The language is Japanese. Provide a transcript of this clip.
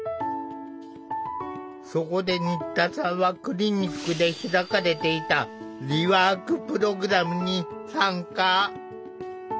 そこで新田さんはクリニックで開かれていたリワークプログラムに参加。